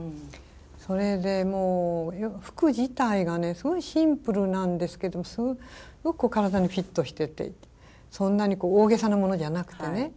それで服自体がねすごいシンプルなんですけどすっごく体にフィットしててそんなに大げさなものじゃなくてね。